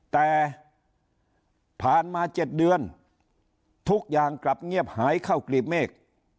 แต่ผ่านมา๗เดือนทุกอย่างกลับเงียบหายเข้ากลีบเมฆ